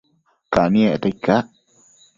Caniecta icac?